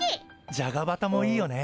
じゃがバタもいいよね。